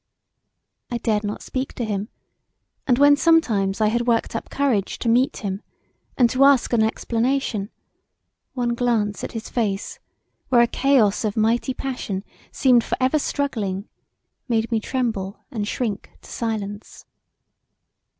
I dared not speak to him; and when sometimes I had worked up courage to meet him and to ask an explanation one glance at his face where a chaos of mighty passion seemed for ever struggling made me tremble and shrink to silence.